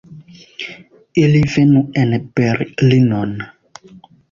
Ili venu en Berlinon!